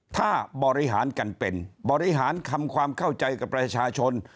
ถ้าบริหารกันเป็นบริหารทำความเข้าใจกับประชาชน